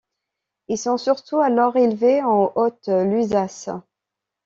Ils sont surtout alors élevés en Haute-Lusace.